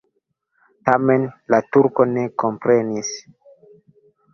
Tamen la turko ne komprenis.